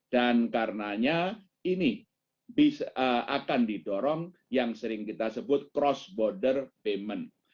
dan karenanya ini akan didorong yang sering kita sebut cross border payment